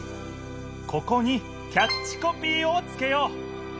ここにキャッチコピーをつけよう！